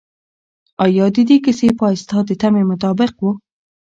آیا د دې کیسې پای ستا د تمې مطابق و؟